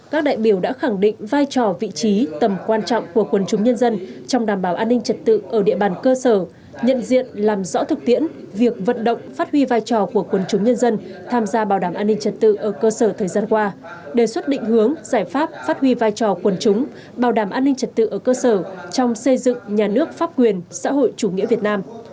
các đại biểu đã khẳng định vai trò vị trí tầm quan trọng của quân chúng nhân dân trong đảm bảo an ninh trật tự ở địa bàn cơ sở nhận diện làm rõ thực tiễn việc vận động phát huy vai trò của quân chúng nhân dân tham gia bảo đảm an ninh trật tự ở cơ sở thời gian qua đề xuất định hướng giải pháp phát huy vai trò quân chúng bảo đảm an ninh trật tự ở cơ sở trong xây dựng nhà nước pháp quyền xã hội chủ nghĩa việt nam